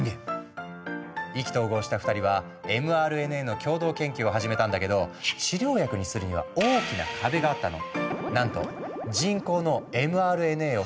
意気投合した２人はｍＲＮＡの共同研究を始めたんだけど治療薬にするには大きな壁があったの。